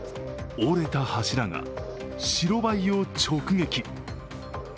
折れた柱が白バイを直撃。